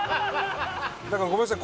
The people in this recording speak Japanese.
だからごめんなさい